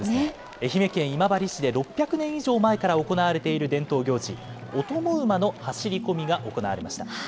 愛媛県今治市で６００年以上前から行われている伝統行事、お供馬の走り込みが行われました。